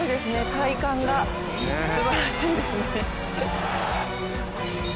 体幹がすばらしいですね。